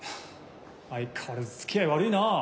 相変わらずつきあい悪いなぁ。